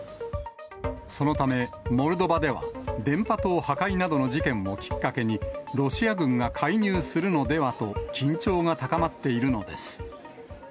そのため、モルドバでは、電波塔破壊などの事件をきっかけに、ロシア軍が介入するのではと、緊張が高まっているのです。